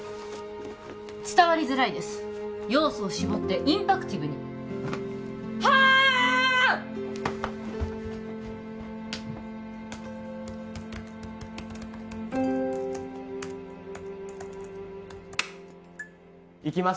伝わりづらいです要素を絞ってインパクティブにはあっ！